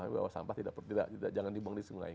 memang bahwa sampah tidak perlu dibongkong di sungai